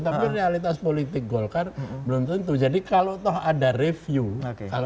tapi realitas politik golkar belum tentu jadi kalau toh ada review itu tidak akan sangat mendalam